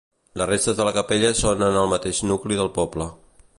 Les restes de la capella són en el mateix nucli del poble.